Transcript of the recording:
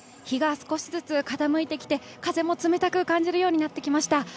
日が少しずつ傾いてきて、風も冷たく感じるようになってきました。